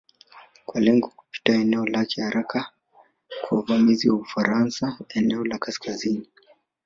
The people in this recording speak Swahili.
Kwa lengo kupita eneo lake haraka kwa uvamizi wa Ufaransa eneo la Kaskazini